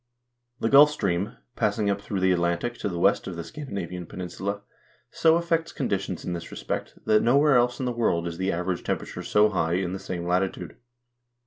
The Gulf Stream, passing up through the Atlantic to the west of the Scandinavian pen insula, so affects conditions in this respect, that nowhere else in the world is the average temperature so high in the same latitude.